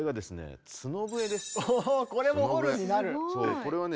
これはね